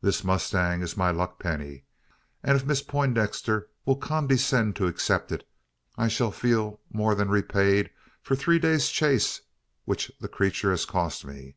"This mustang is my luckpenny; and if Miss Poindexter will condescend to accept of it, I shall feel more than repaid for the three days' chase which the creature has cost me.